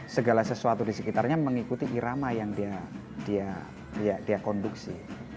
segala sesuatu di sekitarnya mengikuti irama yang dia konduksi